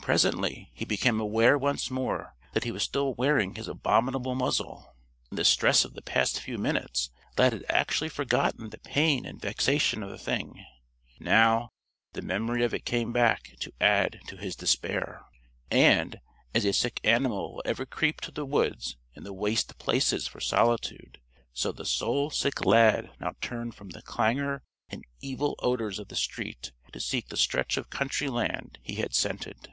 Presently he became aware once more that he was still wearing his abominable muzzle. In the stress of the past few minutes Lad had actually forgotten the pain and vexation of the thing. Now, the memory of it came back, to add to his despair. And, as a sick animal will ever creep to the woods and the waste places for solitude, so the soul sick Lad now turned from the clangor and evil odors of the street to seek the stretch of country land he had scented.